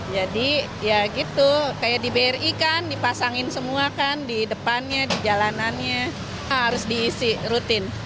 jadi ya gitu kayak di bri kan dipasangin semua kan di depannya di jalanannya harus diisi rutin